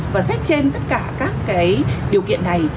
và xét trên tất cả các điều kiện này